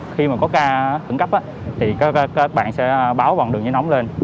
khi mà có ca tấn cấp thì các bạn sẽ báo vòng đường dưới nóng lên